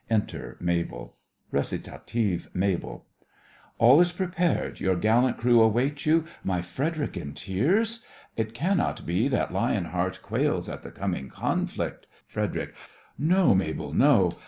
Enter MABEL.) RECIT—MABEL All is prepared, your gallant crew await you. My Frederic in tears? It cannot be That lion heart quails at the coming conflict? FREDERIC: No, Mabel, no.